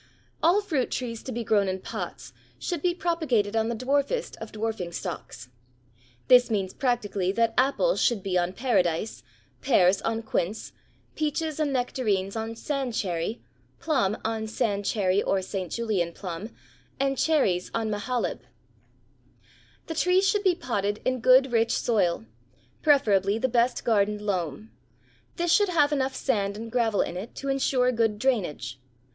All fruit trees to be grown in pots should be propagated on the dwarfest of dwarfing stocks. This means practically that apples should be on Paradise, pears on quince, peaches and nectarines on sand cherry, plum on sand cherry or St. Julien plum, and cherries on Mahaleb. [Illustration: FIG. 41 A FRUITING PEACH IN POT] The trees should be potted in good rich soil, preferably the best garden loam. This should have enough sand and gravel in it to insure good drainage.